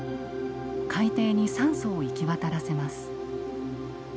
海底に酸素を行き渡らせます。